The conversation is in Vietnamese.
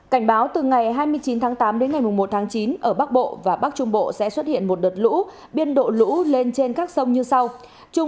cảnh báo từ ngày hai mươi chín tháng tám đến ngày một tháng chín ở bắc bộ và bắc trung bộ sẽ xuất hiện một đợt lũ biên độ lũ lên trên các sông như sau